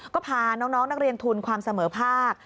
ก็พาน้องนักเรียนทุนความเสมอภาค